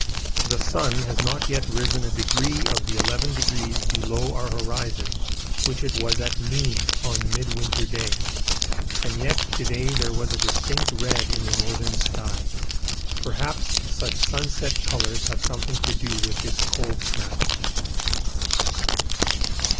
The sun has not yet risen a degree of the eleven degrees below our horizon which it was at noon on Midwinter Day, and yet to day there was a distinct red in the northern sky. Perhaps such sunset colours have something to do with this cold snap.